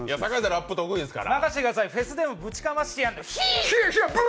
ラップ得意ですから。